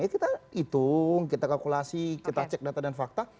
kita hitung kita kalkulasi kita cek data dan fakta